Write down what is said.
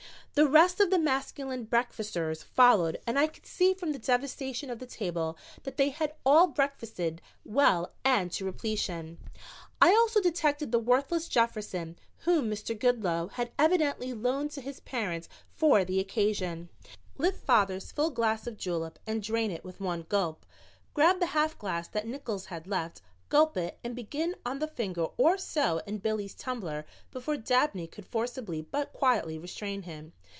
The rest of the masculine breakfasters followed and I could see from the devastation of the table that they had all breakfasted well and to repletion. I also detected the worthless Jefferson, whom Mr. Goodloe had evidently loaned to his parents for the occasion, lift father's full glass of julep and drain it with one gulp, grab the half glass that Nickols had left, gulp it and begin on the finger or so in Billy's tumbler before Dabney could forcibly but quietly restrain him.